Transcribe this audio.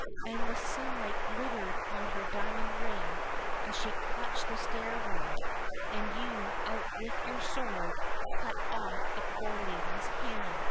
And the sunlight glittered on her diamond ring as she clutched the stair rail, and you out with your sword, and cut off the poor lady's hand."